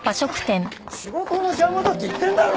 仕事の邪魔だって言ってるだろ！